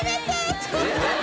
ちょっと。